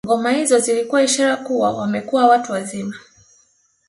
Ngoma hizo zilikuwa ishara kuwa wamekuwa watu wazima